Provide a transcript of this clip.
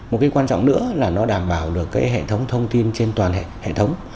một cái quan trọng nữa là nó đảm bảo được cái hệ thống thông tin trên toàn hệ thống